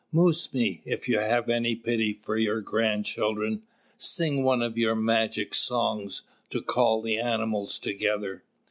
"Mūs mī, if you have any pity for your grandchildren, sing one of your magic songs to call the animals together."